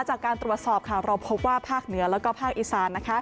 จากการตรวจสอบค่ะเราพบว่าภาคเหนือและภาคอีสาน